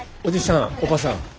おじさんおばさん。